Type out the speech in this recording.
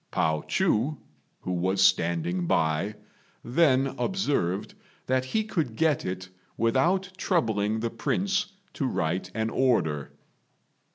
Pao chu, who was standing by, then observed that he could get it without troubling the Prince to write an order.